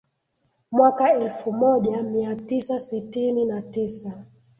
Mwaka wa elfu moja mia tisa sitini na tisa